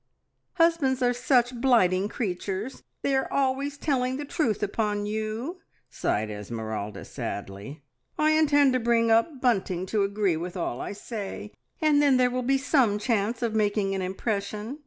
"Husbands are such blighting creatures; they are always telling the truth upon you!" sighed Esmeralda sadly. "I intend to bring up Bunting to agree with all I say, and then there will be some chance of making an impression.